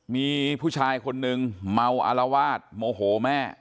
มีผู้ชายคนนึงเมาอารวาสโมโหแม่